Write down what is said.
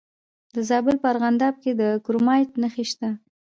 د زابل په ارغنداب کې د کرومایټ نښې شته.